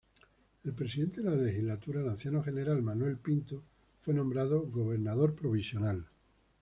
El presidente de la legislatura, el anciano general Manuel Pinto, fue nombrado gobernador provisional.